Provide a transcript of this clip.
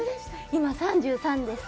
今、３３です。